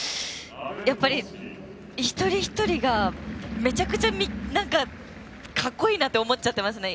やっぱり、一人一人がめちゃくちゃかっこいいなと思っちゃってますね。